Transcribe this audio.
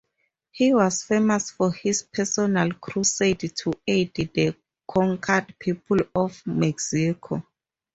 He was famous for his personal crusade to aid the conquered peoples of Mexico.